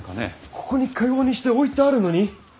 ここにかようにして置いてあるのに！？